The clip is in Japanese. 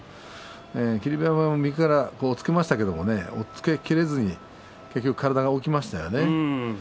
霧馬山も右から押っつけましたけれども、押っつけきれずに結局、体が起きましたね。